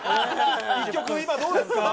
一曲、今、どうですか？